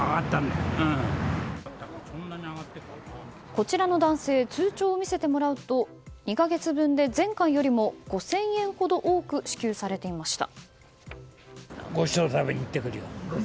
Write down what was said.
こちらの男性通帳を見せてもらうと２か月分で前回よりも５０００円ほど多く支給されていました。